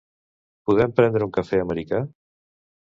Podem prendre un cafè americà?